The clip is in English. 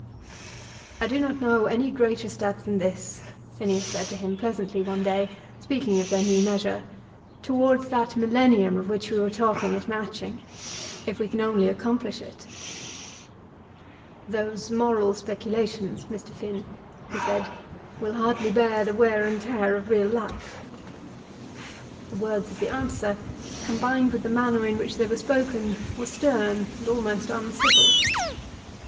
"I do not know any greater step than this," Phineas said to him pleasantly one day, speaking of their new measure, "towards that millennium of which we were talking at Matching, if we can only accomplish it." "Those moral speculations, Mr. Finn," he said, "will hardly bear the wear and tear of real life." The words of the answer, combined with the manner in which they were spoken, were stern and almost uncivil.